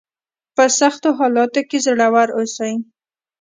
په سختو حالاتو کې زړور اوسئ.